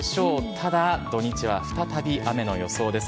ただ、土日は再び雨の予想です。